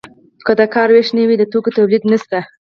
که د کار ویش نه وي د توکو تولید نشته.